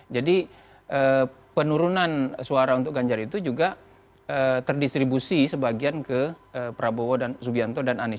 jadi penurunan suara untuk ganjar itu juga terdistribusi sebagian ke pranowo zubianto dan anies